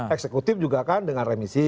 eksekutif juga kan dengan remisi